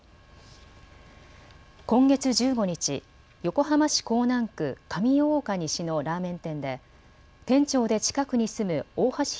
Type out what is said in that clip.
今月１５日、横浜市港南区上大岡西のラーメン店で店長で近くに住む大橋弘